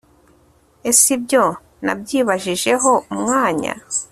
esibyo nabyibajijeho umwanya